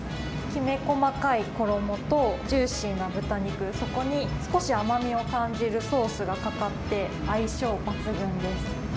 きめ細かい衣と、ジューシーな豚肉、そこに少し甘みを感じるソースがかかって、相性抜群です。